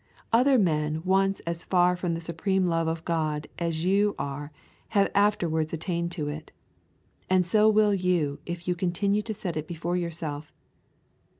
Other men once as far from the supreme love of God as you are have afterwards attained to it; and so will you if you continue to set it before yourself.